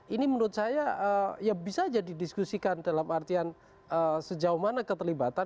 ini menurut saya ya bisa aja didiskusikan dalam artian sejauh mana keterlibatan